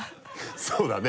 そうだね。